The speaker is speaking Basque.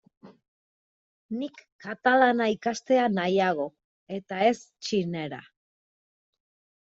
Nik katalana ikastea nahiago eta ez txinera.